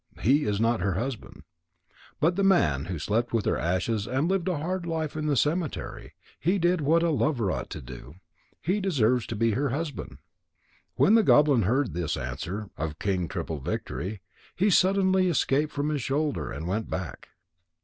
He is not her husband. But the man who slept with her ashes and lived a hard life in the cemetery, he did what a lover ought to do. He deserves to be her husband." When the goblin heard this answer of King Triple victory, he suddenly escaped from his shoulder and went back.